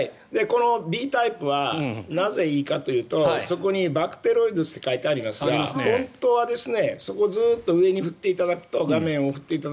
このＢタイプはなぜいいかというとそこにバクテロイデス属と書いてありますが本当はそこをずっと画面を上に振っていただくと。